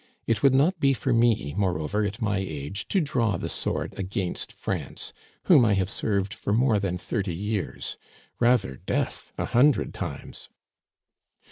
It would not be for me, moreover, at my age, to draw the sword against France, whom I have served for more than thirty years. Rather death, a hundred times